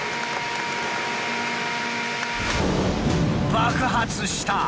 爆発した！